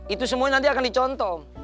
itu semuanya nanti akan dicontoh